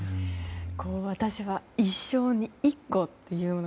私は一生に１個というもの